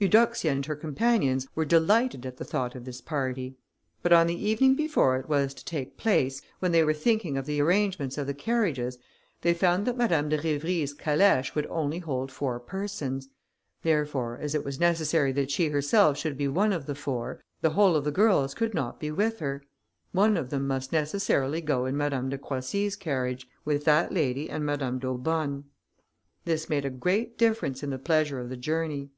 Eudoxia and her companions were delighted at the thought of this party; but on the evening before it was to take place, when they were thinking of the arrangement of the carriages, they found that Madame de Rivry's calèche would only hold four persons, therefore as it was necessary that she herself should be one of the four, the whole of the girls could not be with her; one of them must necessarily go in Madame de Croissy's carriage, with that lady and Madame d'Aubonne. This made a great difference in the pleasure of the journey.